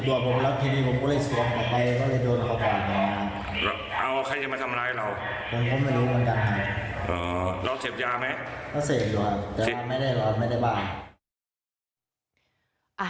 เสพหลอนแต่ไม่ได้หลอนไม่ได้บ้า